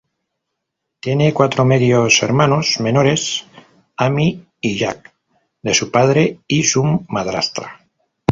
Tiene cuatro medios hermanos menores; Amy y Jake de su padre y su madrastra.